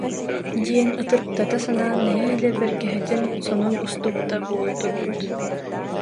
диэн ытырыктата санаан, нэһиилэ бэргэһэтин, сонун устубута буола турбут